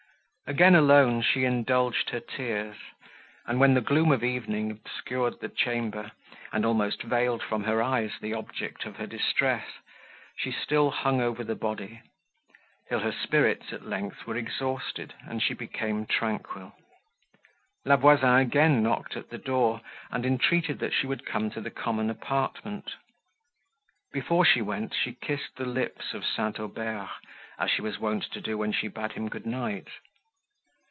Again alone, she indulged her tears, and, when the gloom of evening obscured the chamber, and almost veiled from her eyes the object of her distress, she still hung over the body; till her spirits, at length, were exhausted, and she became tranquil. La Voisin again knocked at the door, and entreated that she would come to the common apartment. Before she went, she kissed the lips of St. Aubert, as she was wont to do when she bade him good night.